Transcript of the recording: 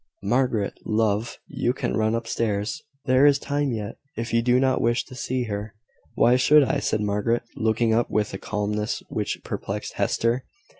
Margaret, love, you can run upstairs there is time yet if you do not wish to see her." "Why should I?" said Margaret, looking up with a calmness which perplexed Hester.